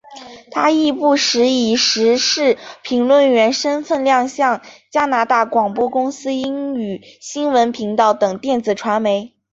她亦不时以时事评论员身份亮相加拿大广播公司英语新闻频道等电子传媒。